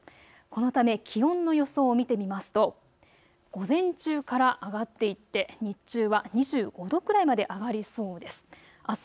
このため気温の予想を見ると午前中から上がっていって日中は２５度くらいまで上がりそうです。